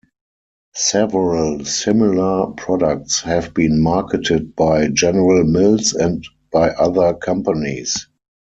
Several similar products have been marketed by General Mills and by other companies.